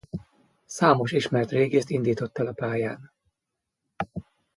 Számos ismert régészt indított el a pályán.